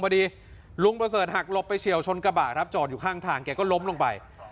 พอดีลุงประเสริฐหักหลบไปเฉียวชนกระบะครับจอดอยู่ข้างทางแกก็ล้มลงไป